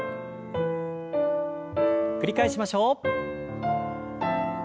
繰り返しましょう。